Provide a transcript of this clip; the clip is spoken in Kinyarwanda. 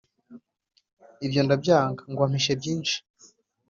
ibyo ndabyanga ngo ampishe byinshi